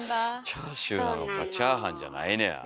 チャーシューなのかチャーハンじゃないねや。